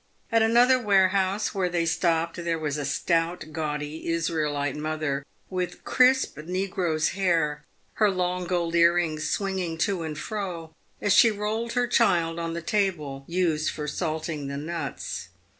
At another warehouse where they stopped, there was a stout, gaudy Israelite mother, with crisp negro's hair, her long gold earrings swinging to and fro as she rolled her child on the table used for salting the nuts.